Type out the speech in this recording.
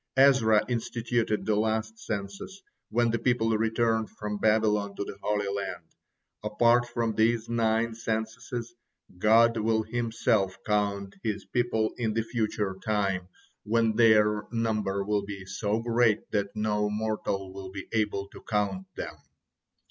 Ezra instituted the last census when the people returned from Babylon to the Holy Land. Apart from these nine censuses, God will Himself count His people in the future time when their number will be so great that no mortal will be able to count them.